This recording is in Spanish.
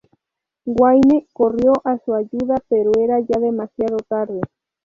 Wayne corrió a su ayuda, pero era ya demasiado tarde.